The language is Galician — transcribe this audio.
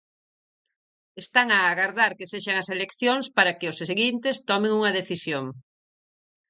"Están a agardar que sexan as eleccións para que os seguintes tomen unha decisión".